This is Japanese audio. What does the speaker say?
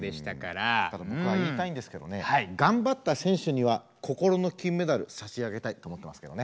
ただ僕は言いたいんですけどね頑張った選手には心の金メダル差し上げたいと思ってますけどね。